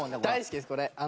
大好きですこれ。